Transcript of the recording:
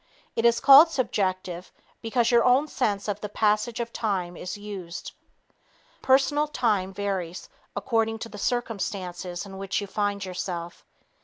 It is called subjective because your own sense of the passage of time is used. Personal time varies according to the circumstances in which you find yourself.